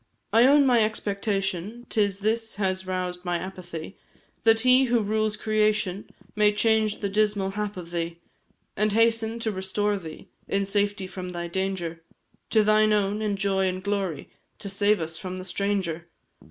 I own my expectation, 'Tis this has roused my apathy, That He who rules creation May change the dismal hap of thee, And hasten to restore thee In safety from thy danger, To thine own, in joy and glory, To save us from the stranger.